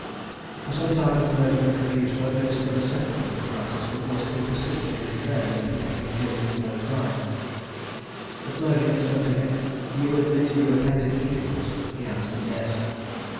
For some time the clergyman refused to administer the sacrament to Francis, because he persisted in declaring he had been guilty of no crime. The clergyman said to him, "You admit you attended meetings?" He answered, "Yes."